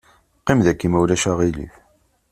Qqim daki ma ulac aɣilif.